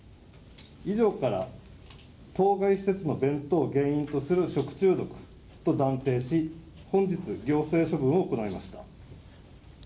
以上から当該施設の弁当を原因とする食中毒と断定し、本日、行政処分を行いました。